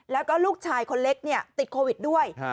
แล้วก็ลูกชายคนเล็กติดโควิดด้วย